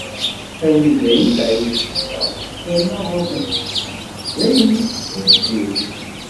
Armi dayen teεya ccedda, terna ɣursen teqcict, d ayen i d tiziri.